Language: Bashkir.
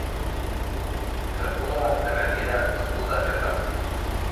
Шырпы ла, тәмәке лә лысҡылдап ята.